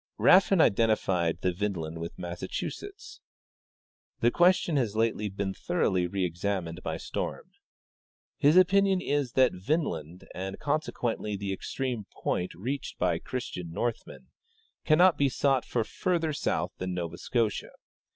" Rafn identified the Vinland with Massachusetts. The ques tion has lately been thoroughly reexamined b}'' Storm. His opinion is that Vinland, and consequently the extreme point reached by Christian Northmen, cannot be sought for further south than Noya Scotia.